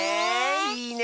いいね！